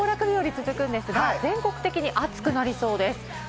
今日も行楽日和が続くんですが、全国的に暑くなりそうです。